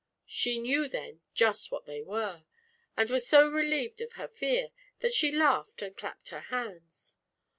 She knew then just what they were, and was so relieved of her fear, that she laughed and clapped her hands.